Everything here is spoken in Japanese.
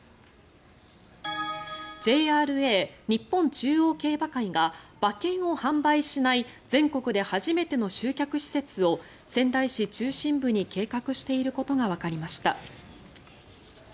ＪＲＡ・日本中央競馬会が馬券を販売しない全国で初めての集客施設を仙台市中心部に計画していることがわかりました。